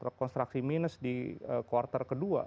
rekonstruksi minus di kuartal kedua